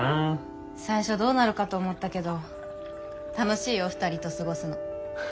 最初どうなるかと思ったけど楽しいよ２人と過ごすの。